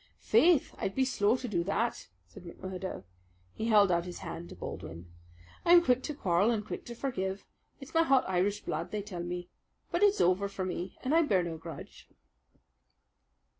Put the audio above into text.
"Faith, I'd be slow to do that," said McMurdo. He held out his hand to Baldwin. "I'm quick to quarrel and quick to forgive. It's my hot Irish blood, they tell me. But it's over for me, and I bear no grudge."